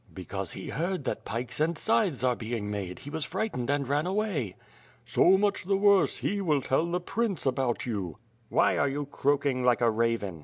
'* "Because he heard that pikes and 'scythes are being made, he was frightened and ran away." "So much the worse; he will tell the prince about you." "Why are you croaking like a raven?''